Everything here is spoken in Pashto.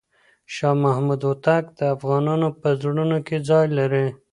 شاه محمود هوتک د افغانانو په زړونو کې ځای لري.